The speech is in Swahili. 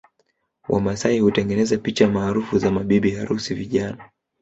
Wamasai hutengeneza picha maarufu za mabibi harusi vijana